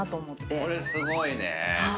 これすごいね。